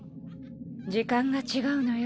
時間が違うのよ。